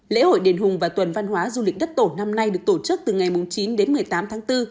lễ hội đền hùng và tuần văn hóa du lịch đất tổ năm nay được tổ chức từ ngày chín đến một mươi tám tháng bốn